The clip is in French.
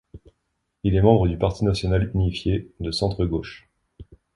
Il est membre du Parti national unifié, de centre-gauche.